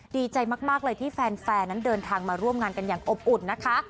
ดีใจมากเลยที่แฟนนั้นเดินทางมาร่วมงานกันอย่างอบอุ่นนะคะ